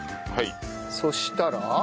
そしたら？